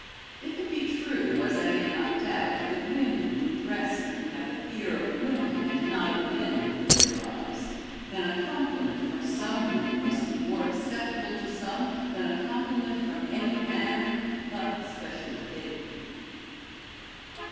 If it be true, as I may not doubt, that women, in dressing, have the fear of women and not of men before their eyes, then a compliment from some women must be more acceptable to some than a compliment from any man but the specially favored.